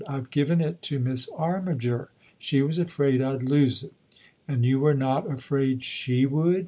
" I've given it to Miss Armiger. She was afraid I'd lose it." "And you were not afraid she would?"